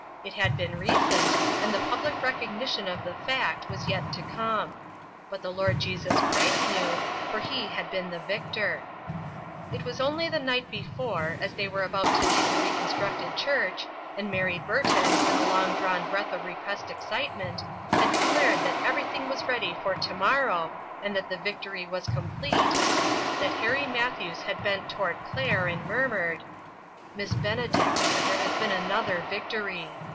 It had been recent, and the public recogni tion of the fact was yet to come. But the Lord Jesus Christ knew, for he had been the victor. It was only the night before, as they were about to leave the reconstructed church, and Mary Burton, with a long drawn breath of repressed excitement, had declared that everything was ready for to morrow, and that the victory was complete, that Harry Matthews had bent toward Claire and mur mured :" Miss Benedict, there has been another victory.